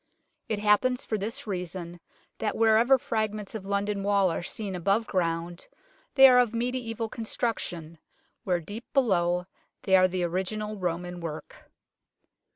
It happens for this reason that wherever fragments of London Wall are seen above ground they are of mediaeval construction, where deep below they are the original Roman work.